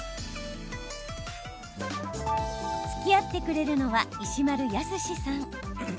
つきあってくれるのは石丸泰さん。